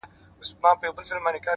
o دلته ولور گټمه؛